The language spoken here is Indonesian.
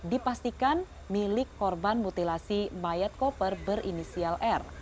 dipastikan milik korban mutilasi mayat koper berinisial r